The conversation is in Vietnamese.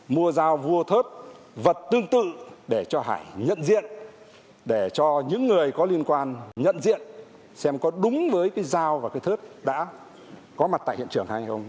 mua dao vua thớt vật tương tự để cho hải nhận diện để cho những người có liên quan nhận diện xem có đúng với cái dao và cái thớt đã có mặt tại hiện trường hay không